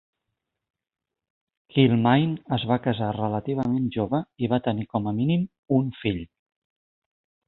Kilmaine es va casar relativament jove i va tenir com a mínim un fill.